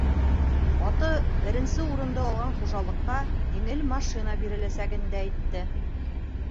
Аты беренсе урынды алған хужалыҡҡа еңел машина биреләсәген дә әйтте.